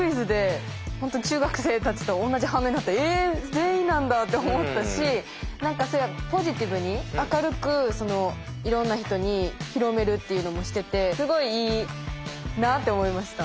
全員なんだ」って思ったし何かポジティブに明るくいろんな人に広めるっていうのもしててすごいいいなって思いました。